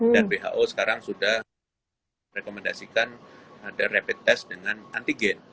dan who sekarang sudah rekomendasikan ada rapid test dengan antibody